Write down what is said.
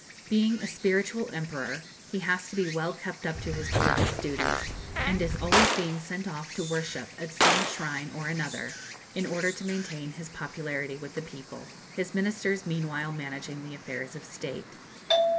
Being a spiritual Emperor, he has to be well kept up to his religious duties, and is always being sent off to worship at some shrine or another, in order to maintain his popularity with the people, his Ministers meanwhile managing the affairs of state.